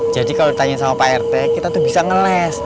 jadi kalau ditanya sama pak rt kita tuh bisa ngeles